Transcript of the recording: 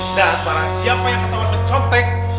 dan para siapa yang ketawa mencontek